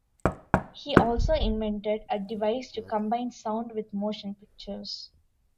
He also invented a device to combine sound with motion pictures.